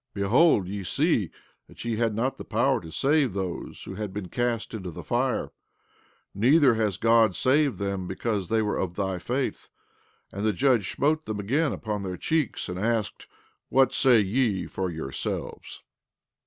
14:15 Behold, ye see that ye had not power to save those who had been cast into the fire; neither has God saved them because they were of thy faith. And the judge smote them again upon their cheeks, and asked: What say ye for yourselves?